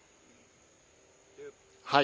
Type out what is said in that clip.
はい。